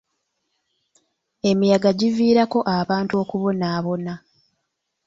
Emiyaga giviirako abantu okubonaabona.